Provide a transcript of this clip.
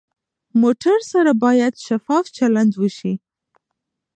موټر سره باید شفاف چلند وشي.